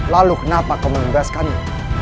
lalu kenapa kamu membebaskan ini